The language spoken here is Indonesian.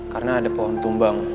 karena ada pohon tumbang